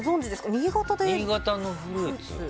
新潟のフルーツ？